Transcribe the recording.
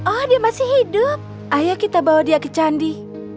oh dia masih hidup ayo kita bawa dia ke candi